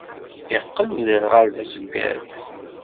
Iqqel uderɣal d aṣeggad.